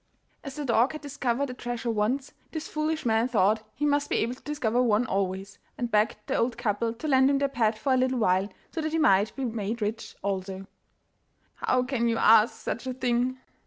As the dog had discovered a treasure once, this foolish man thought he must be able to discover one always, and begged the old couple to lend him their pet for a little while, so that he might be made rich also. 'How can you ask such a thing?